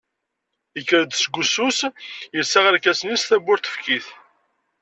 Yekker-d seg wussu-s, yelsa arkasen-is, tawwurt tefk-it.